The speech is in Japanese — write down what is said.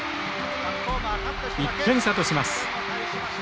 １点差とします。